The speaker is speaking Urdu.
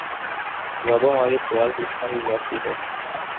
جوابوں والے سوال پوچھنا بھی زیادتی ہے